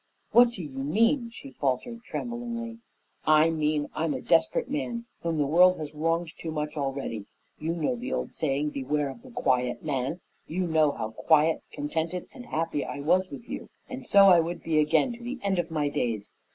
"What do you mean?" she faltered tremblingly. "I mean I'm a desperate man whom the world has wronged too much already. You know the old saying, 'Beware of the quiet man!' You know how quiet, contented, and happy I was with you, and so I would be again to the end of my days.